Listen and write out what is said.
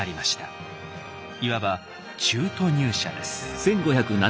いわば中途入社です。